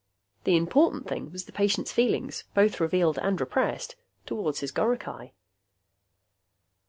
The important thing was the patient's feelings both revealed and repressed toward his goricae.